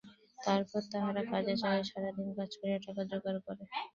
তারপর তাহারা কাজে যায় ও সারাদিন কাজ করিয়া টাকা রোজগার করে।